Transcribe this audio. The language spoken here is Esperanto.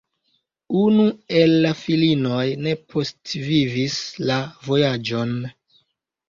Unu el la filinoj ne postvivis la vojaĝon.